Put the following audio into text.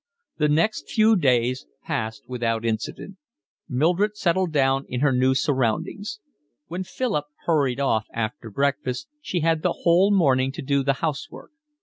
The next few days passed without incident. Mildred settled down in her new surroundings. When Philip hurried off after breakfast she had the whole morning to do the housework.